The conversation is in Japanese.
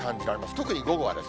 特に午後はです。